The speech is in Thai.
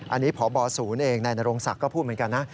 อันนี้พบศูนย์เองนายนโรงศักดิ์ก็พูดเหมือนกันนะ